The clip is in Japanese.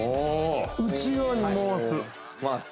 内側に回す？